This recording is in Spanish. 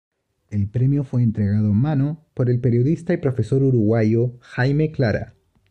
El premio fue entregado en mano por el periodista y profesor uruguayo Jaime Clara.